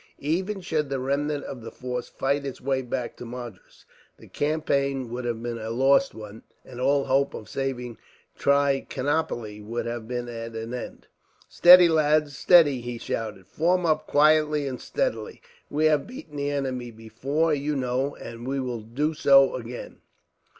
Even should the remnant of the force fight its way back to Madras, the campaign would have been a lost one, and all hope of saving Trichinopoli would have been at an end. "Steady, lads, steady," he shouted. "Form up quietly and steadily. We have beaten the enemy before, you know, and we will do so again."